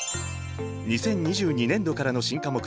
２０２２年度からの新科目